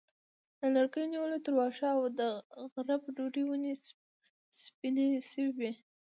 له لرګیو نیولې تر واښو او د غره په ډډه ونې سپینې شوې وې.